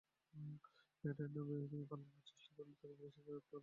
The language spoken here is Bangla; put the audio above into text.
টের পেয়ে তিনি পালানোর চেষ্টা করলে পুলিশ তাঁকে পিছু ধাওয়া করে।